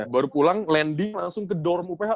baru pulang landing langsung ke door uph